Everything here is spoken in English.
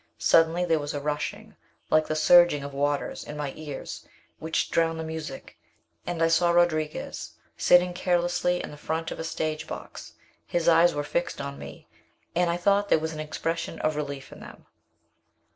Suddenly there was a rushing, like the surging of waters, in my ears, which drowned the music, and I saw Rodriguez sitting carelessly in the front of a stage box. His eyes were fixed on me, and I thought there was an expression of relief in them.